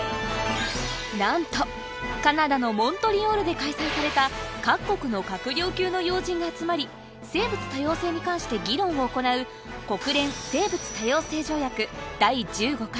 なんとカナダのモントリオールで開催された各国の閣僚級の要人が集まり生物多様性に関して議論を行う私たちの。